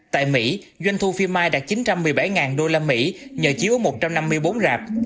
tại mỹ doanh thu phim my đạt chín trăm một mươi bảy usd nhờ chiếu một trăm năm mươi bốn rạp